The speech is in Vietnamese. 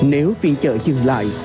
nếu phiên chợ dừng lại